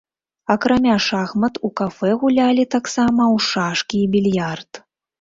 Акрамя шахмат у кафэ гулялі таксама ў шашкі і більярд.